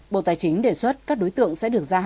bộ tài chính đề xuất các đối tượng